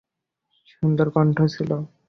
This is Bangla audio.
সুন্দর কন্ঠ ছিল।